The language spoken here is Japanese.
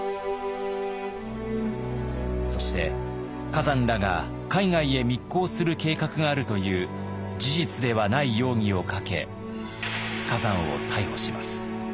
そして崋山らが海外へ密航する計画があるという事実ではない容疑をかけ崋山を逮捕します。